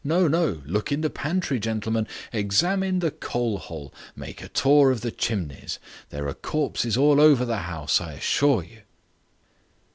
"No, no, look in the pantry, gentlemen. Examine the coal hole. Make a tour of the chimneys. There are corpses all over the house, I assure you."